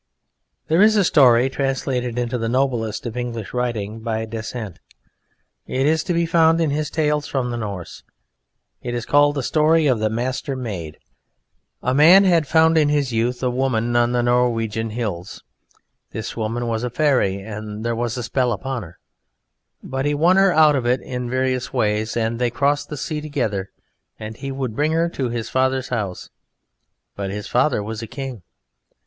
There is a story translated into the noblest of English writing by Dasent. It is to be found in his "Tales from the Norse." It is called the Story of the Master Maid. A man had found in his youth a woman on the Norwegian hills: this woman was faëry, and there was a spell upon her. But he won her out of it in various ways, and they crossed the sea together, and he would bring her to his father's house, but his father was a King.